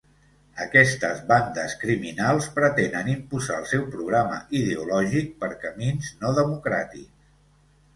Aquestes bandes criminals pretenen imposar el seu programa ideològic per camins no democràtics.